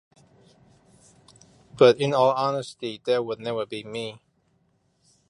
But in all honesty that would never be me!